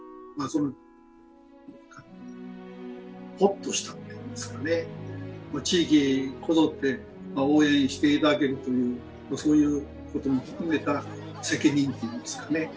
そのホッとしたっていいますかね地域こぞって応援していただけるというそういうことも含めた責任といいますかね